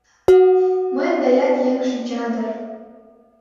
Мыйын гаяк еҥ шинча дыр.